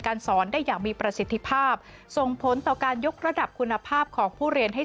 สอนได้อย่างมีประสิทธิภาพส่งผลต่อการยกระดับคุณภาพของผู้เรียนให้